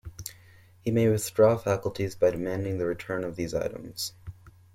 He may withdraw faculties by demanding the return of these items.